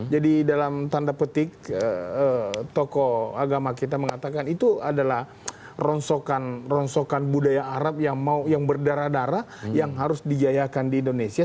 jadi dalam tanda petik toko agama kita mengatakan itu adalah ronsokan budaya arab yang berdarah darah yang harus dijayakan di indonesia